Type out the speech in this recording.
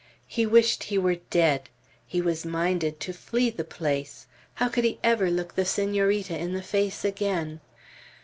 He wished he were dead. He was minded to flee the place. How could he ever look the Senorita in the face again!